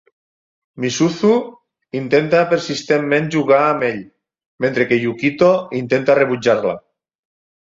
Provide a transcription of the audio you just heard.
Misuzu intenta persistentment jugar amb ell, mentre que Yukito intenta rebutjar-la.